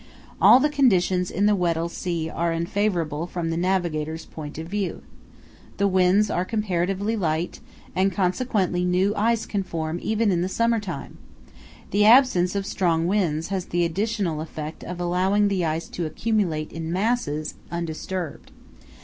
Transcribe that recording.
All the conditions in the Weddell Sea are unfavourable from the navigator's point of view. The winds are comparatively light, and consequently new ice can form even in the summer time. The absence of strong winds has the additional effect of allowing the ice to accumulate in masses, undisturbed.